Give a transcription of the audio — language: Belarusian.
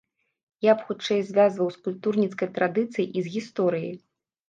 Я б хутчэй звязваў з культурніцкай традыцыяй і з гісторыяй.